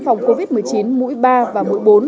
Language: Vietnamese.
phòng covid một mươi chín mũi ba và mũi bốn